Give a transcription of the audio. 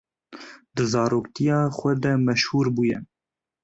Di zaroktiya xwe de meşhûr bûye.